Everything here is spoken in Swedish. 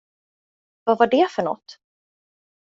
Vad var det för något?